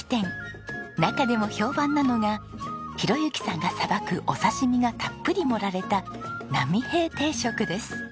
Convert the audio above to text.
中でも評判なのが宏幸さんがさばくお刺し身がたっぷり盛られた波平定食です。